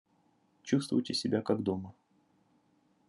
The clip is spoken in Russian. Чувствуйте себя, как дома.